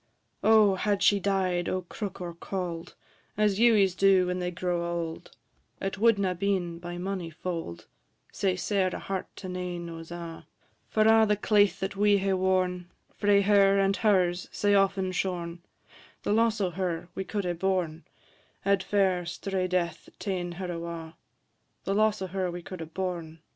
O! had she died o' crook or cauld, As Ewies do when they grow auld, It wad na been, by mony fauld, Sae sair a heart to nane o's a': For a' the claith that we hae worn, Frae her and her's sae aften shorn, The loss o' her we could hae born, Had fair strae death ta'en her awa'; The loss o' her we could hae born, &c.